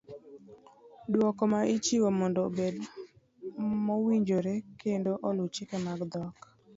Duoko ma ichiwo mondo obed mowinjore kendo olu chike mag dhok.